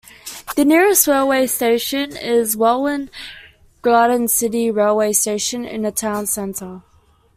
The nearest railway station is Welwyn Garden City railway station in the town centre.